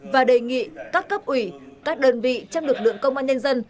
và đề nghị các cấp ủy các đơn vị trong lực lượng công an nhân dân